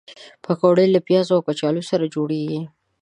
پکورې له پیازو او کچالو سره جوړېږي